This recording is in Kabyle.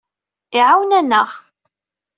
Iɛawen-aneɣ.